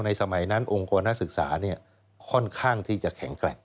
สมัยนั้นองค์กรนักศึกษาค่อนข้างที่จะแข็งแกร่ง